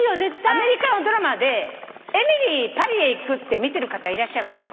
アメリカのドラマで『エミリー、パリへ行く』って見てる方いらっしゃるかな？